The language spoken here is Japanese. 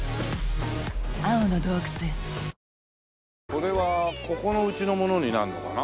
これはここの家のものになるのかな？